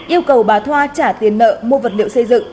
yêu cầu bà thoa trả tiền nợ mua vật liệu xây dựng